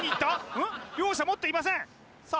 うん？両者持っていませんさあ